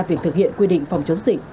việc thực hiện quy định phòng chống dịch